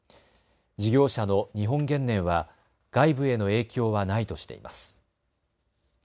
事業者の日本原燃は外部への影響はないとしています。